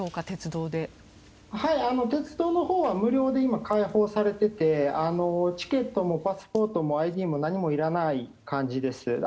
鉄道のほうは無料で開放されていてチケットもパスポートもＩＤも何もいらない感じです。